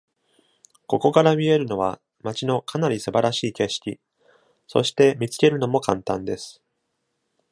ここから見えるのは町のかなり素晴らしい景色。そして見つけるのも簡単です。